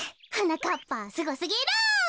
はなかっぱすごすぎる！